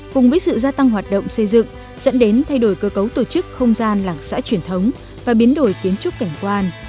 cùng với sự gia tăng hoạt động xây dựng dẫn đến thay đổi cơ cấu tổ chức không gian làng xã truyền thống và biến đổi kiến trúc cảnh quan